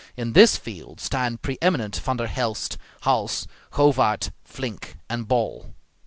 In this field stand pre eminent Van der Helst, Hals, Govaert, Flink, and Bol.